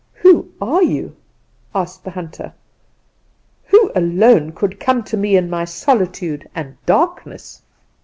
"'Who are you,' asked the hunter, 'who alone come to me in my solitude and darkness?